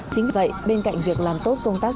chính vì vậy bên cạnh việc làm tốt công tác